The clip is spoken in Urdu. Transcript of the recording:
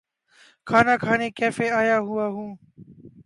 کھانا کھانے کیفے آیا ہوا ہوں۔